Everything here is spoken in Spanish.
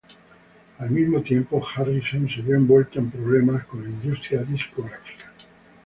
Al mismo tiempo, Harrison se vio envuelto en problemas con la industria discográfica.